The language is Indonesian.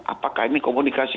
apakah ini komunikasi